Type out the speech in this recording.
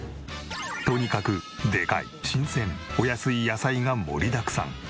とにかくでかい新鮮お安い野菜が盛りだくさん。